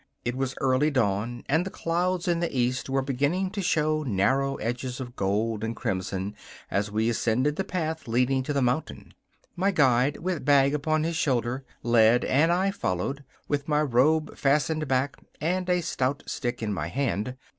It was early dawn, and the clouds in the east were beginning to show narrow edges of gold and crimson as we ascended the path leading to the mountain. My guide, with bag upon his shoulder, led, and I followed, with my robe fastened back and a stout stick in my hand.